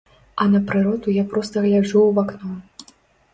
А на прыроду я проста гляджу ў вакно.